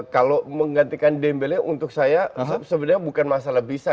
kalau menggantikan dembele untuk saya sebenarnya bukan masalah bisa